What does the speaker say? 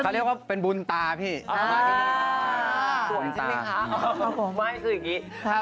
สวยใช่มั้ยคะ